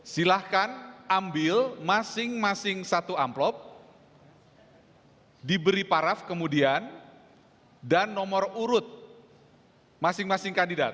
silahkan ambil masing masing satu amplop diberi paraf kemudian dan nomor urut masing masing kandidat